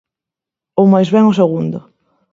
Ou máis ben o segundo.